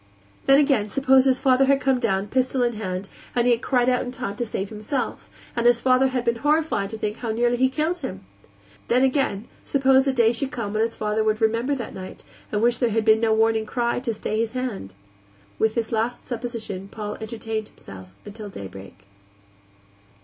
Then, again, suppose his father had come down, pistol in hand, and he had cried out in time to save himself, and his father had been horrified to think how nearly he had killed him? Then, again, suppose a day should come when his father would remember that night, and wish there had been no warning cry to stay his hand? With this last supposition Paul entertained himself until daybreak.